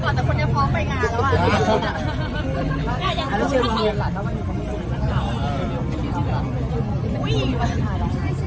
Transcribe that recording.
เพราะว่ามันต้องทำงาน